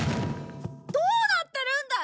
どうなってるんだ。